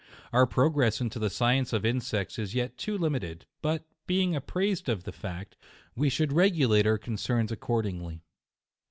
Our progress in the science of insects is yet too limited *, but, being apprised of the fact, we should re gilate our concerns accordingly.